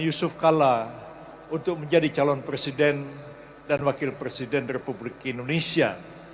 yusuf kalla untuk menjadi calon presiden dan wakil presiden republik indonesia